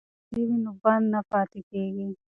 که ازادي وي نو بند نه پاتې کیږي.